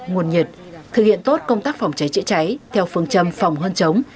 nguồn nhiệt thực hiện tốt công tác phòng cháy chữa cháy theo phương châm phòng hơn chống